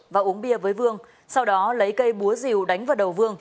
và uống bia với vương sau đó lấy cây búa rìu đánh vào đầu vương